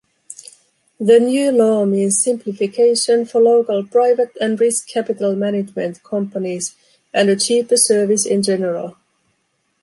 The new law means simplification for local private and risk capital management companies and a cheaper service in general.